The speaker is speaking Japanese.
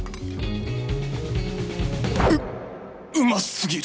ううますぎる！